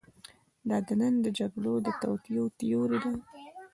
دا د نن د جګړو د توطیو تیوري ده.